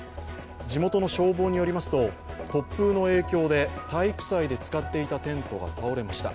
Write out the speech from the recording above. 地元の消防によりますと、突風の影響で体育祭で使っていたテントが倒れました。